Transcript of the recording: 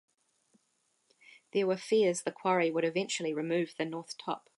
There were fears the quarry would eventually remove the North Top.